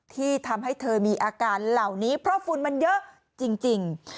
ที่ทำให้เธอมีอาการเหล่านี้เพราะฝุ่นมันเยอะจริง